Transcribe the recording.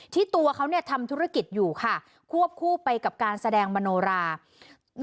ตัวเขาทำธุรกิจอยู่ค่ะควบคู่ไปกับการแสดงมโนรา